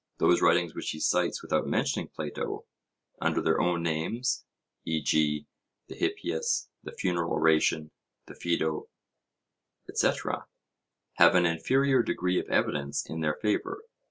Those writings which he cites without mentioning Plato, under their own names, e.g. the Hippias, the Funeral Oration, the Phaedo, etc., have an inferior degree of evidence in their favour.